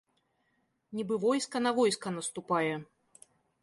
Нібы войска на войска наступае.